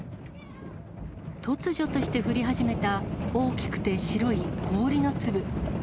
突如として降り始めた大きくて白い氷の粒。